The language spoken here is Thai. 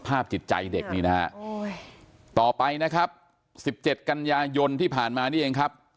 จิตใจเด็กนี่นะฮะต่อไปนะครับ๑๗กันยายนที่ผ่านมานี่เองครับ